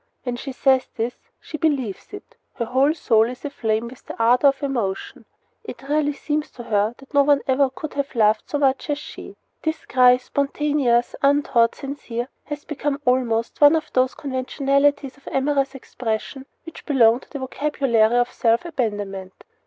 When she says this she believes it. Her whole soul is aflame with the ardor of emotion. It really seems to her that no one ever could have loved so much as she. This cry spontaneous, untaught, sincere has become almost one of those conventionalities of amorous expression which belong to the vocabulary of self abandonment.